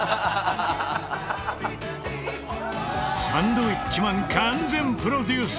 サンドウィッチマン完全プロデュース